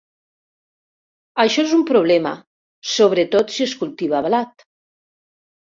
Això és un problema sobretot si es cultiva blat.